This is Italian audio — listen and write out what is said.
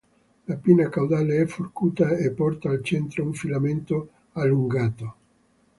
La pinna caudale è forcuta e porta al centro un filamento allungato.